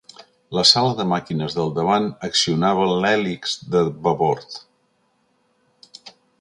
La sala de màquines del davant accionava l'hèlix de babord.